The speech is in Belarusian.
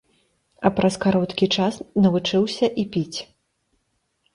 А праз кароткі час навучыўся і піць.